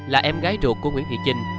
là em gái ruột của nguyễn thị trinh